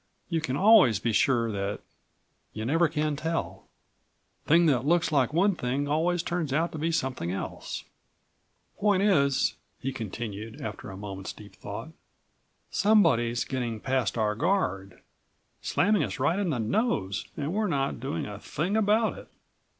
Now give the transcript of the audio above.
You can always be sure that you never can tell. Thing that looks like one thing always turns out to be something else. "Point is," he continued after a moment's deep thought, "somebody's getting past our guard. Slamming us right in the nose and we're not doing a thing about it.